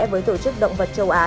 với tổ chức động vật châu á